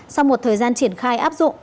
sau một thời gian triển khai áp dụng